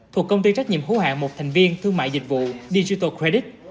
thuộc công ty trách nhiệm hữu hạng một thành viên thương mại dịch vụ digital credit